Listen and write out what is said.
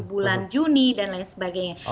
bulan juni dan lain sebagainya